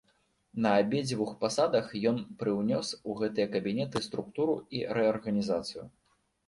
На абедзвюх пасадах ён прыўнёс у гэтыя кабінеты структуру і рэарганізацыю.